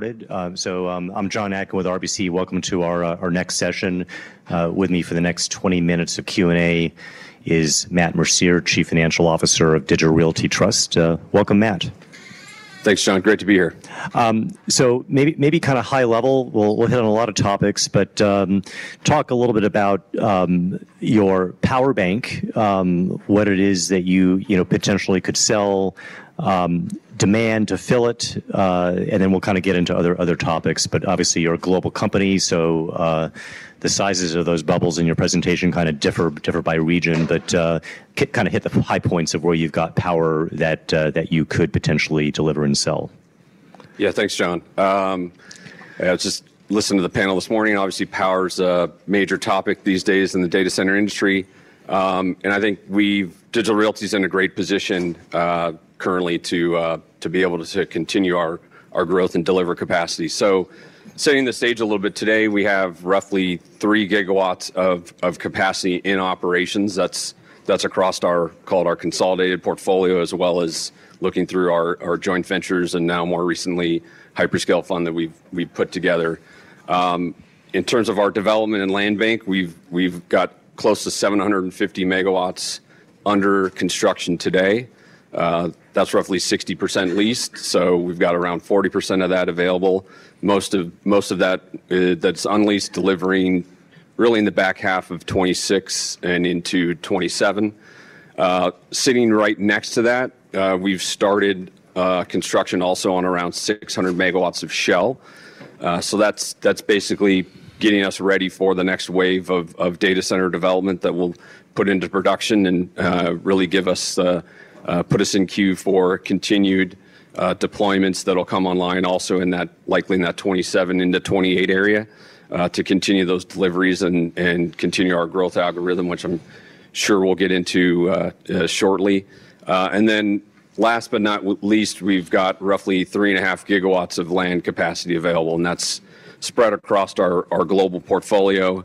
I'm Jon Atkin with RBC. Welcome to our next session. With me for the next 20 minutes of Q&A is Matt Mercier, Chief Financial Officer of Digital Realty Trust. Welcome, Matt. Thanks, Jon. Great to be here. Maybe kind of high level, we'll hit on a lot of topics. Talk a little bit about your power bank, what it is that you potentially could sell, demand to fill it, and then we'll get into other topics. Obviously, you're a global company, so the sizes of those bubbles in your presentation differ by region, but kind of hit the high points of where you've got power that you could potentially deliver and sell. Yeah, thanks, Jon. I was just listening to the panel this morning. Obviously, power is a major topic these days in the data center industry. I think we've, Digital Realty is in a great position, currently to be able to continue our growth and deliver capacity. Setting the stage a little bit today, we have roughly 3 GW of capacity in operations. That's across our, call it our consolidated portfolio, as well as looking through our joint ventures and now more recently, the hyperscale fund that we've put together. In terms of our development and land bank, we've got close to 750 MW under construction today. That's roughly 60% leased, so we've got around 40% of that available. Most of that that's unleased is delivering really in the back half of 2026 and into 2027. Sitting right next to that, we've started construction also on around 600 MW of shell, so that's basically getting us ready for the next wave of data center development that we'll put into production and really put us in queue for continued deployments that'll come online also likely in that 2027 into 2028 area, to continue those deliveries and continue our growth algorithm, which I'm sure we'll get into shortly. Last but not least, we've got roughly 3.5 GW of land capacity available, and that's spread across our global portfolio,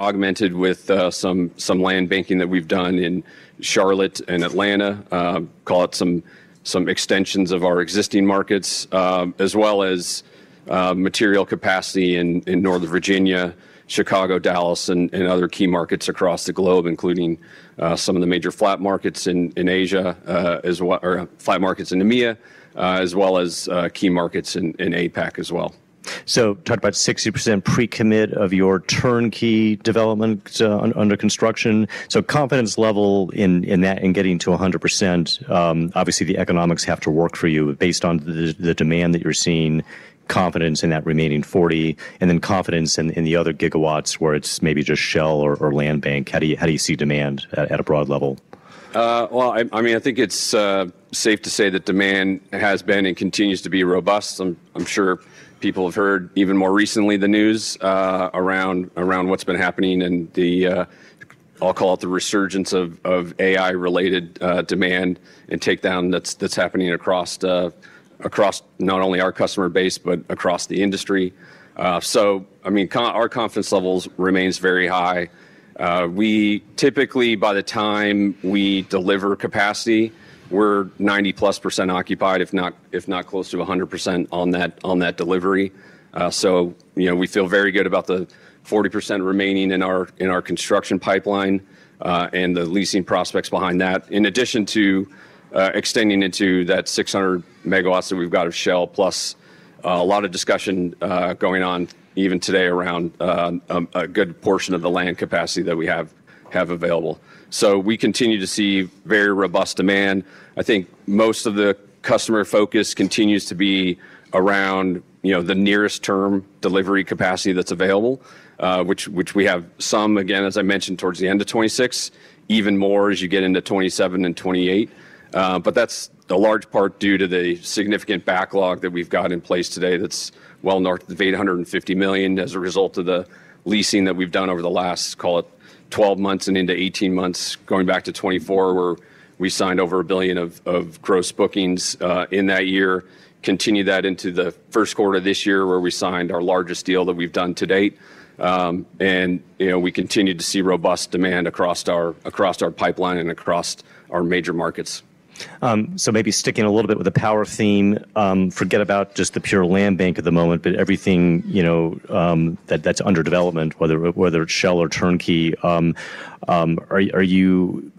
which is augmented with some land banking that we've done in Charlotte and Atlanta, call it some extensions of our existing markets, as well as material capacity in Northern Virginia, Chicago, Dallas, and other key markets across the globe, including some of the major flat markets in Asia, as well as flat markets in EMEA, as well as key markets in APAC as well. Talk about 60% pre-commit of your turnkey development under construction. Confidence level in that and getting to 100%, obviously the economics have to work for you based on the demand that you're seeing, confidence in that remaining 40%, and then confidence in the other gigawatts where it's maybe just shell or land bank. How do you see demand at a broad level? I think it's safe to say that demand has been and continues to be robust. I'm sure people have heard even more recently the news around what's been happening in the resurgence of AI-related demand and takedown that's happening across not only our customer base, but across the industry. Our confidence levels remain very high. We typically, by the time we deliver capacity, we're 90%+ occupied, if not close to 100% on that delivery. We feel very good about the 40% remaining in our construction pipeline and the leasing prospects behind that, in addition to extending into that 600 MW that we've got of shell, plus a lot of discussion going on even today around a good portion of the land capacity that we have available. We continue to see very robust demand. I think most of the customer focus continues to be around the nearest term delivery capacity that's available, which we have some, again, as I mentioned, towards the end of 2026, even more as you get into 2027 and 2028. That's a large part due to the significant backlog that we've got in place today that's well north of $850 million as a result of the leasing that we've done over the last, call it, 12 months and into 18 months, going back to 2024, where we signed over $1 billion of gross bookings in that year. Continue that into the first quarter of this year, where we signed our largest deal that we've done to date. We continue to see robust demand across our pipeline and across our major markets. Maybe sticking a little bit with the power theme, forget about just the pure land bank at the moment, but everything that's under development, whether it's shell or turnkey, are you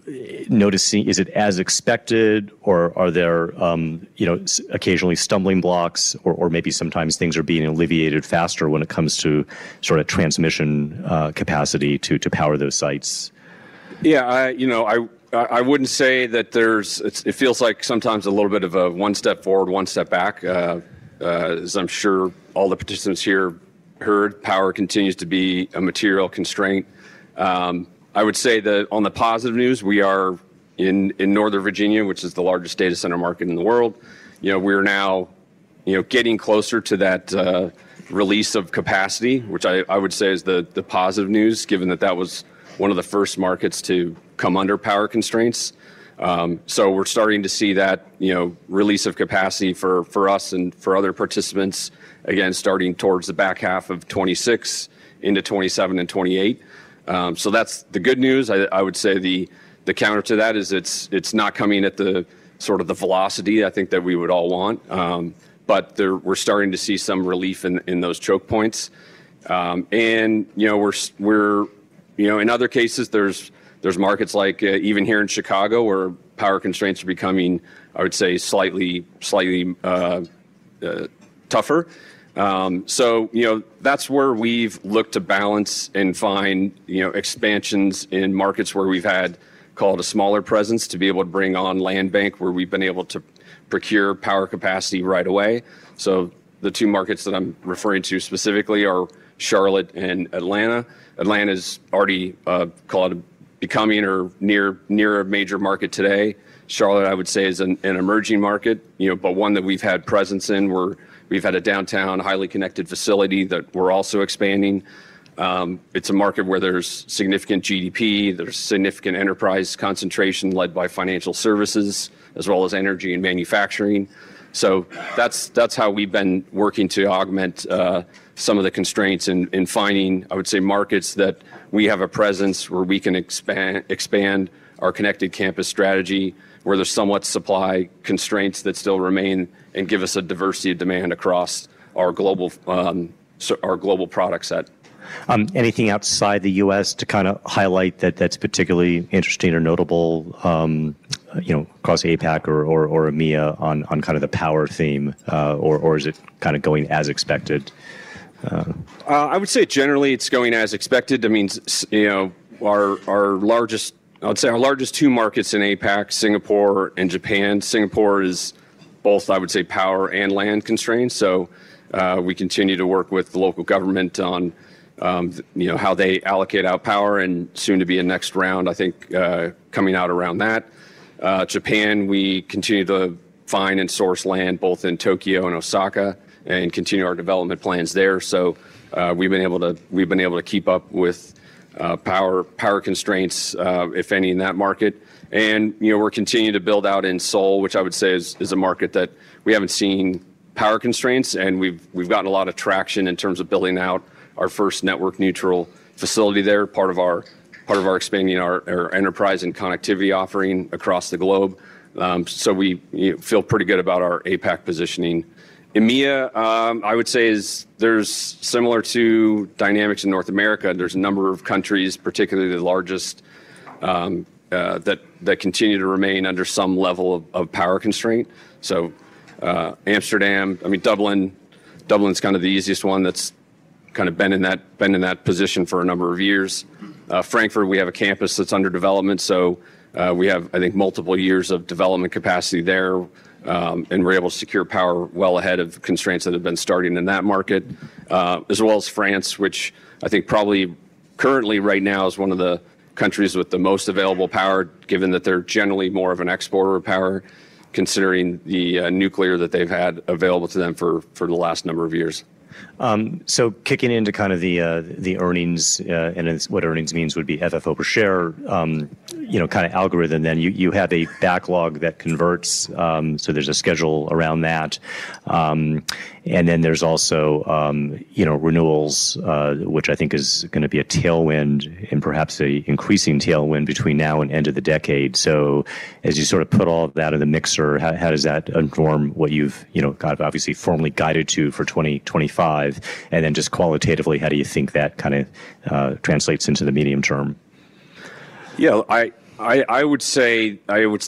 noticing, is it as expected or are there occasionally stumbling blocks, or maybe sometimes things are being alleviated faster when it comes to sort of transmission, capacity to power those sites? Yeah, I wouldn't say that there's, it feels like sometimes a little bit of a one step forward, one step back. As I'm sure all the participants here heard, power continues to be a material constraint. I would say that on the positive news, we are in Northern Virginia, which is the largest data center market in the world. We are now getting closer to that release of capacity, which I would say is the positive news, given that that was one of the first markets to come under power constraints. We're starting to see that release of capacity for us and for other participants, again, starting towards the back half of 2026, into 2027 and 2028. That's the good news. I would say the counter to that is it's not coming at the sort of the velocity I think that we would all want. There, we're starting to see some relief in those choke points. In other cases, there's markets like even here in Chicago where power constraints are becoming, I would say, slightly, slightly tougher. That's where we've looked to balance and find expansions in markets where we've had, call it, a smaller presence to be able to bring on land bank, where we've been able to procure power capacity right away. The two markets that I'm referring to specifically are Charlotte and Atlanta. Atlanta is already, call it, becoming or near, near a major market today. Charlotte, I would say, is an emerging market, but one that we've had presence in, where we've had a downtown highly connected facility that we're also expanding. It's a market where there's significant GDP, there's significant enterprise concentration led by financial services, as well as energy and manufacturing. That's how we've been working to augment some of the constraints and finding, I would say, markets that we have a presence where we can expand, expand our connected campus strategy, where there's somewhat supply constraints that still remain and give us a diversity of demand across our global, our global product set. Anything outside the U.S. to kind of highlight that's particularly interesting or notable, you know, across APAC or EMEA on the power theme, or is it kind of going as expected? I would say generally it's going as expected. I mean, our largest, I would say our largest two markets in APAC, Singapore and Japan. Singapore is both, I would say, power and land constraints. We continue to work with the local government on how they allocate our power and soon to be a next round, I think, coming out around that. Japan, we continue to find and source land both in Tokyo and Osaka and continue our development plans there. We've been able to keep up with power constraints, if any, in that market. We're continuing to build out in Seoul, which I would say is a market that we haven't seen power constraints. We've gotten a lot of traction in terms of building out our first network neutral facility there, part of expanding our enterprise and connectivity offering across the globe. We feel pretty good about our APAC positioning. EMEA, I would say, is similar to dynamics in North America. There's a number of countries, particularly the largest, that continue to remain under some level of power constraint. Amsterdam, I mean, Dublin, Dublin's kind of the easiest one that's been in that position for a number of years. Frankfurt, we have a campus that's under development. We have, I think, multiple years of development capacity there, and we're able to secure power well ahead of constraints that have been starting in that market, as well as France, which I think probably currently right now is one of the countries with the most available power, given that they're generally more of an exporter of power, considering the nuclear that they've had available to them for the last number of years. Kicking into the earnings, and what earnings means would be FFO per share, you know, kind of algorithm, then you have a backlog that converts, so there's a schedule around that. There are also renewals, which I think is going to be a tailwind and perhaps an increasing tailwind between now and end of the decade. As you sort of put all of that in the mixer, how does that inform what you've obviously formally guided to for 2025? Just qualitatively, how do you think that kind of translates into the medium term? Yeah, I would say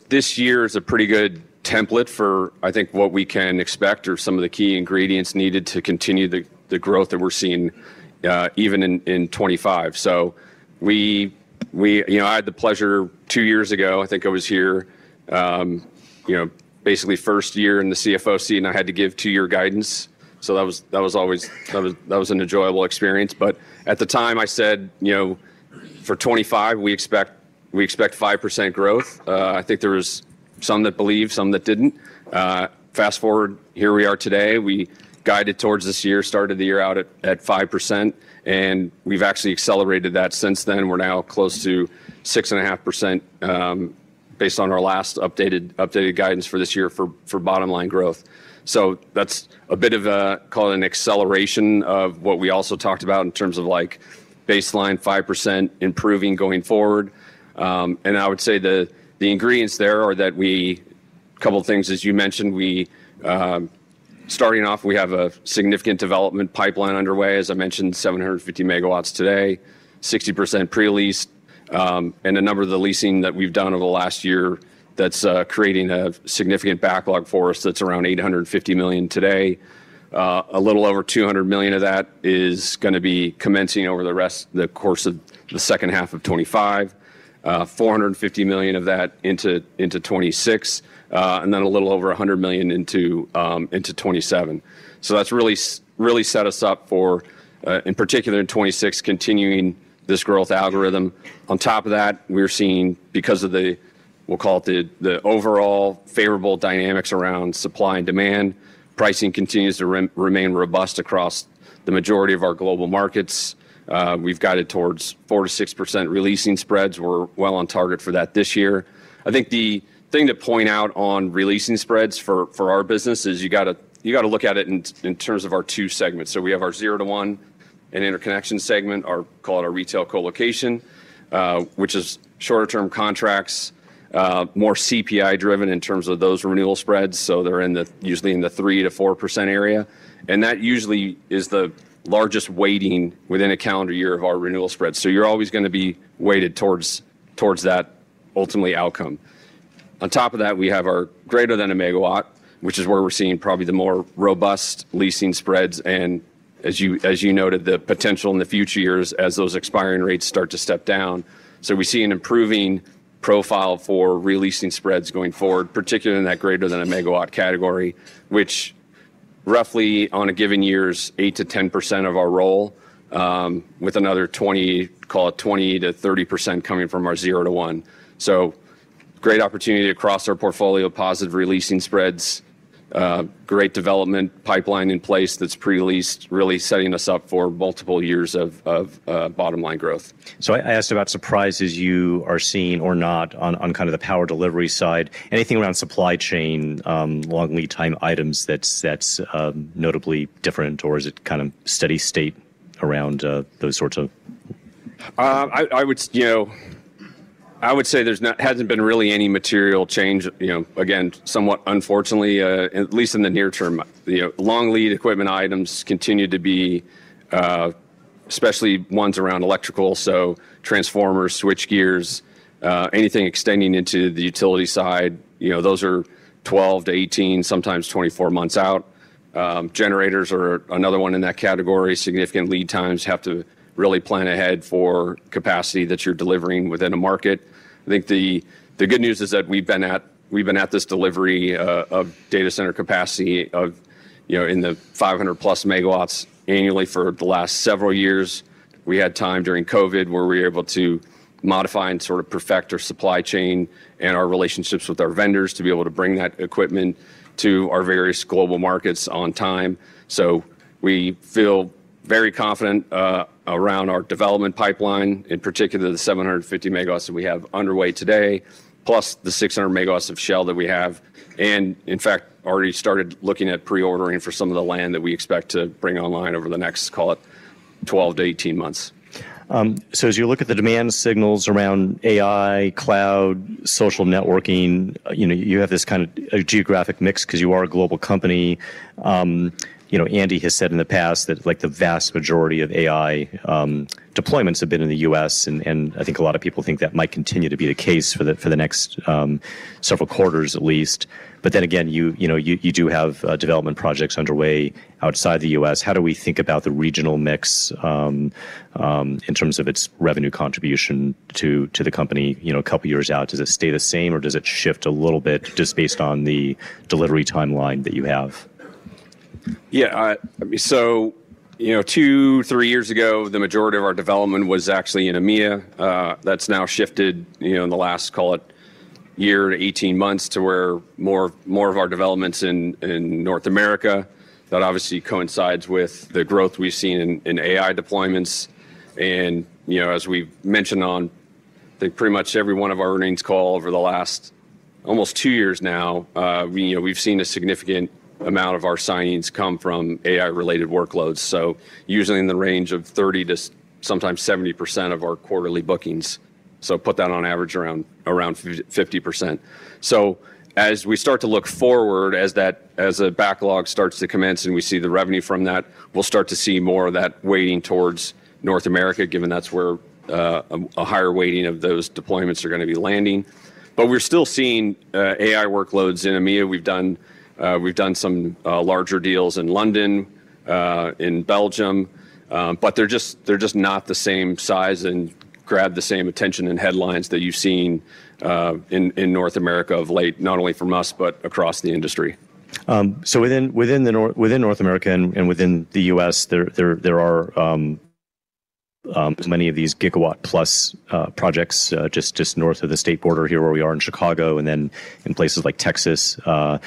this year is a pretty good template for what we can expect or some of the key ingredients needed to continue the growth that we're seeing, even in 2025. We, you know, I had the pleasure two years ago, I think I was here, basically first year in the CFO and I had to give two-year guidance. That was always an enjoyable experience. At the time I said, for 2025, we expect 5% growth. I think there were some that believed, some that didn't. Fast forward, here we are today. We guided towards this year, started the year out at 5%. We've actually accelerated that since then. We're now close to 6.5%, based on our last updated guidance for this year for bottom-line growth. That's a bit of a, call it an acceleration of what we also talked about in terms of baseline 5% improving going forward. I would say the ingredients there are that we, a couple of things, as you mentioned, starting off, we have a significant development pipeline underway. As I mentioned, 750 MW today, 60% pre-leased. A number of the leasing that we've done over the last year is creating a significant backlog for us that's around $850 million today. A little over $200 million of that is going to be commencing over the course of the second half of 2025, $450 million of that into 2026, and then a little over $100 million into 2027. That's really set us up for, in particular in 2026, continuing this growth algorithm. On top of that, we're seeing, because of the overall favorable dynamics around supply and demand, pricing continues to remain robust across the majority of our global markets. We've guided towards 4%-6% releasing spreads. We're well on target for that this year. I think the thing to point out on releasing spreads for our business is you gotta look at it in terms of our two segments. We have our 0-1 and interconnection segment, or call it our retail colocation, which is shorter term contracts, more CPI driven in terms of those renewal spreads. They're usually in the 3%-4% area. That usually is the largest weighting within a calendar year of our renewal spreads, so you're always going to be weighted towards that ultimately outcome. On top of that, we have our greater than 1 MW, which is where we're seeing probably the more robust leasing spreads. As you noted, the potential in the future years as those expiring rates start to step down. We see an improving profile for releasing spreads going forward, particularly in that greater than 1 MW category, which roughly on a given year's 8%-10% of our roll, with another, call it 20%-30% coming from our 0-1. Great opportunity to cross our portfolio, positive releasing spreads, great development pipeline in place that's pre-leased, really setting us up for multiple years of bottom-line growth. I asked about surprises you are seeing or not on the power delivery side. Anything around supply chain, long lead time items that's notably different, or is it kind of steady state around those sorts of... I would say there's not, hasn't been really any material change, you know, again, somewhat unfortunately, at least in the near term. Long lead equipment items continue to be, especially ones around electrical. So transformers, switch gears, anything extending into the utility side, those are 12-18, sometimes 24 months out. Generators are another one in that category. Significant lead times have to really plan ahead for capacity that you're delivering within a market. I think the good news is that we've been at this delivery of data center capacity of, you know, in the 500+ MW annually for the last several years. We had time during COVID where we were able to modify and sort of perfect our supply chain and our relationships with our vendors to be able to bring that equipment to our various global markets on time. We feel very confident around our development pipeline, in particular the 750 MW that we have underway today, plus the 600 MW of shell that we have. In fact, already started looking at pre-ordering for some of the land that we expect to bring online over the next, call it, 12-18 months. As you look at the demand signals around AI, cloud, social networking, you have this kind of geographic mix because you are a global company. Andy has said in the past that the vast majority of AI deployments have been in the U.S., and I think a lot of people think that might continue to be the case for the next several quarters at least. You do have development projects underway outside the U.S. How do we think about the regional mix in terms of its revenue contribution to the company a couple of years out? Does it stay the same or does it shift a little bit just based on the delivery timeline that you have? Yeah, two, three years ago, the majority of our development was actually in EMEA. That's now shifted in the last, call it, year to 18 months to where more of our development's in North America. That obviously coincides with the growth we've seen in AI deployments. As we mentioned on pretty much every one of our earnings calls over the last almost two years now, we've seen a significant amount of our signings come from AI-related workloads, usually in the range of 30% to sometimes 70% of our quarterly bookings. Put that on average around 50%. As we start to look forward, as that backlog starts to commence and we see the revenue from that, we'll start to see more of that weighting towards North America, given that's where a higher weighting of those deployments are going to be landing. We're still seeing AI workloads in EMEA. We've done some larger deals in London, in Belgium, but they're just not the same size and don't grab the same attention and headlines that you've seen in North America of late, not only from us, but across the industry. Within North America and within the U.S., there are as many of these gigawatt plus projects just north of the state border here where we are in Chicago and then in places like Texas. A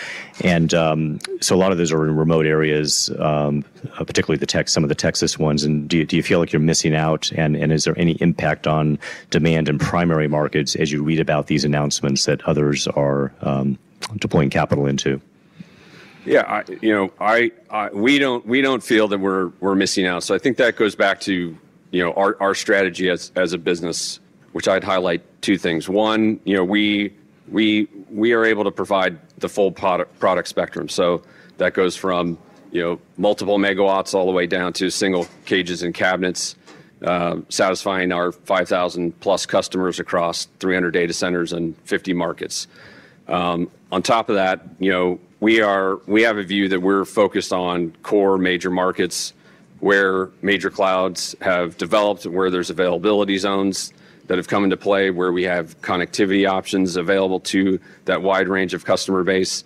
lot of those are in remote areas, particularly some of the Texas ones. Do you feel like you're missing out, and is there any impact on demand in primary markets as you read about these announcements that others are deploying capital into? Yeah, we don't feel that we're missing out. I think that goes back to our strategy as a business, which I'd highlight two things. One, we are able to provide the full product spectrum. That goes from multiple MWs all the way down to single cages and cabinets, satisfying our 5,000+ customers across 300 data centers and 50 markets. On top of that, we have a view that we're focused on core major markets where major clouds have developed and where there are availability zones that have come into play, where we have connectivity options available to that wide range of customer base.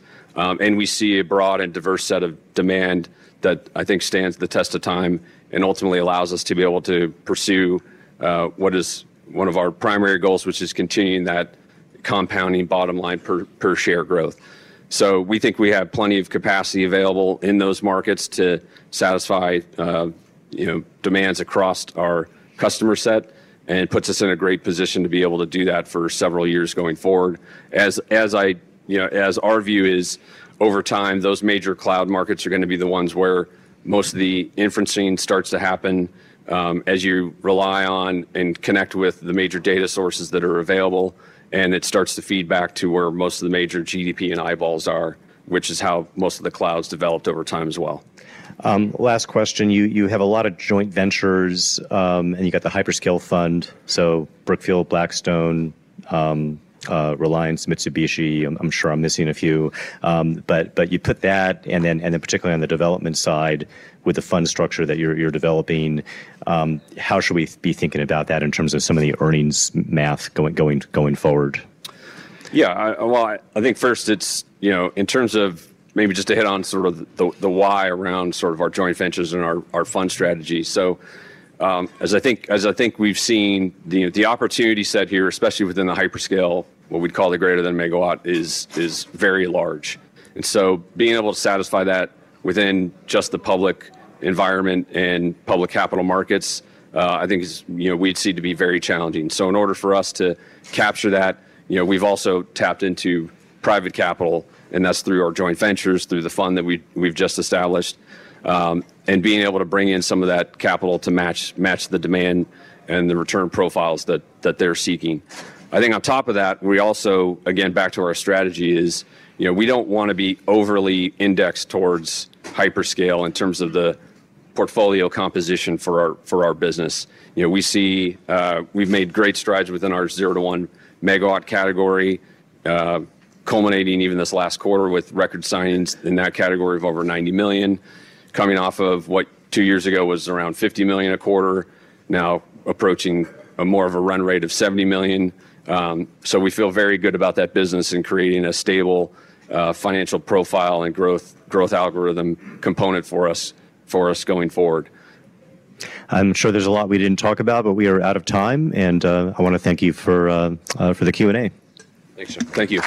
We see a broad and diverse set of demand that I think stands the test of time and ultimately allows us to be able to pursue what is one of our primary goals, which is continuing that compounding bottom-line per share growth. We think we have plenty of capacity available in those markets to satisfy demands across our customer set and it puts us in a great position to be able to do that for several years going forward. As our view is, over time, those major cloud markets are going to be the ones where most of the inferencing starts to happen, as you rely on and connect with the major data sources that are available. It starts to feed back to where most of the major GDP and eyeballs are, which is how most of the clouds developed over time as well. Last question. You have a lot of joint ventures, and you got the hyperscale fund. Brookfield, Blackstone, Reliance, Mitsubishi. I'm sure I'm missing a few. You put that, and then particularly on the development side with the fund structure that you're developing, how should we be thinking about that in terms of some of the earnings math going forward? I think first, in terms of maybe just to hit on the why around our joint ventures and our fund strategy. As we've seen, the opportunity set here, especially within the hyperscale, what we call the greater than megawatt, is very large. Being able to satisfy that within just the public environment and public capital markets, we'd see to be very challenging. In order for us to capture that, we've also tapped into private capital, and that's through our joint ventures, through the fund that we've just established, and being able to bring in some of that capital to match the demand and the return profiles that they're seeking. On top of that, back to our strategy, we don't want to be overly indexed towards hyperscale in terms of the portfolio composition for our business. We've made great strides within our 0-1 MW category, culminating even this last quarter with record signings in that category of over $90 million, coming off of what two years ago was around $50 million a quarter, now approaching more of a run rate of $70 million. We feel very good about that business and creating a stable financial profile and growth algorithm component for us going forward. I'm sure there's a lot we didn't talk about, but we are out of time. I want to thank you for the Q&A. Thanks, Jon. Thank you.